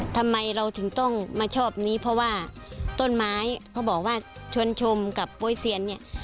ทำไมเราถึงต้องมาชอบนี้เพราะว่าต้นไม้เขาบอกว่าชวนชมกับโป๊ยเซียนเนี่ย